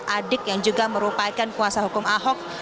adik yang juga merupakan kuasa hukum ahok